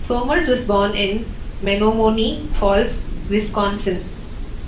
Somers was born in Menomonee Falls, Wisconsin.